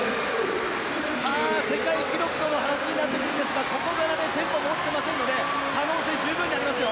世界記録との話になってくるんですがここからテンポも落ちてませんので可能性は十分あります。